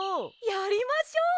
やりましょう！